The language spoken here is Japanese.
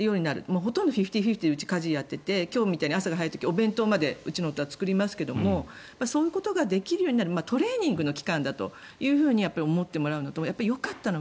ほとんどフィフティ・フィフティでうち、家事をやっていて今日みたいに朝早い時はお弁当までうちの夫は作りますけどそういうことができるようになるトレーニングの期間だと思ってもらえるようになるというのと